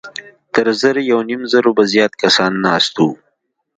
تر زر يونيم زرو به زيات کسان ناست وو.